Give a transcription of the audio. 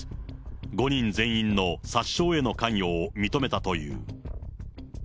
５人全員の殺傷への関与を認めたという。